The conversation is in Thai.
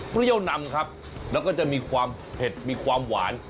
นำครับแล้วก็จะมีความเผ็ดมีความหวาน